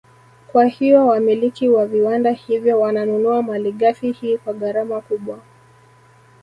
Kwa hiyo wamiliki wa viwanda hivyo wananunua Malighafi hii kwa gharama kubwa